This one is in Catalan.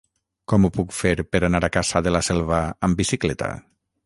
Com ho puc fer per anar a Cassà de la Selva amb bicicleta?